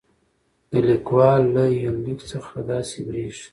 د ليکوال له يونليک څخه داسې برېښي